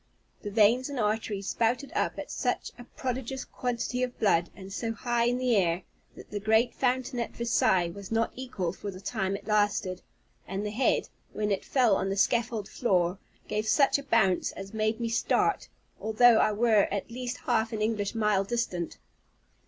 The veins and arteries spouted up such a prodigious quantity of blood, and so high in the air, that the great fountain at Versailles was not equal for the time it lasted; and the head, when it fell on the scaffold floor, gave such a bounce as made me start, although I were at least half an English mile distant.